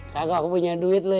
kagak punya duit lu ya